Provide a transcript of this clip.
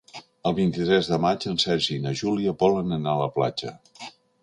El vint-i-tres de maig en Sergi i na Júlia volen anar a la platja.